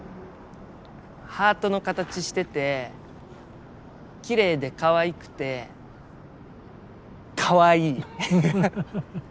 ハートの形しててきれいでかわいくてかわいい。